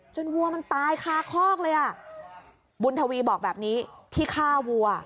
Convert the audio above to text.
วัวมันตายคาคอกเลยอ่ะบุญทวีบอกแบบนี้ที่ฆ่าวัว